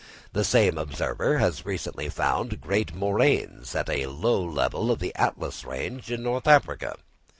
The same observer has recently found great moraines at a low level on the Atlas range in North Africa.